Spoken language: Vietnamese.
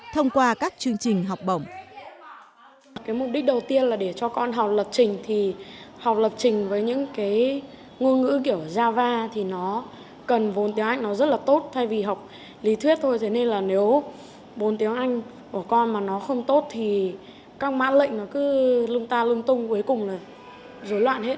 thông qua các chương trình học bổng